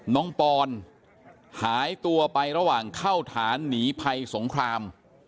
ปอนหายตัวไประหว่างเข้าฐานหนีภัยสงคราม